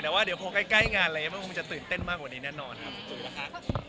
แต่ว่าเดี๋ยวพอใกล้งานอะไรอย่างนี้มันคงจะตื่นเต้นมากกว่านี้แน่นอนครับ